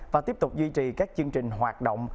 và tiếp tục duy trì các chương trình hoạt động